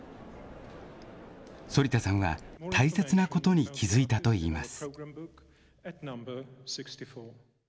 反田さんは大切なことに気付いたといいます。